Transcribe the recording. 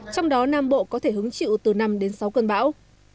trong đó nam bộ có thể hứng chịu từ năm đến sáu cơn bão